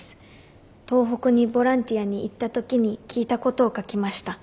東北にボランティアに行った時に聞いたことを描きました。